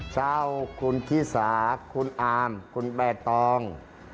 เจ้าคุณขี้สาคุณอาร์มคุณแบ่ตอง